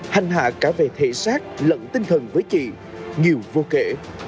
hành hạ cả về thể xác lẫn tinh thần với chị nhiều vô kể